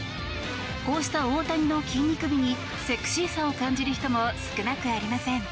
こうした大谷の筋肉美にセクシーさを感じる人も少なくありません。